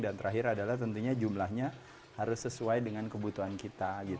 dan terakhir adalah tentunya jumlahnya harus sesuai dengan kebutuhan kita